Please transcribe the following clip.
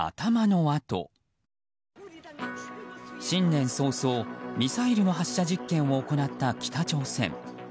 新年早々、ミサイルの発射実験を行った北朝鮮。